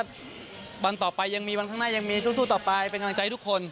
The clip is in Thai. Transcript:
บางครั้งต่อไปยังมีบางครั้งหน้ายังมีสู้ต่อไปเป็นกำลังใจทุกคน